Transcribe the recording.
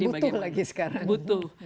butuh lagi sekarang butuh